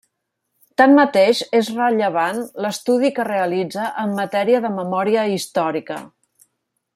Tanmateix, és rellevant l'estudi que realitza en matèria de memòria històrica.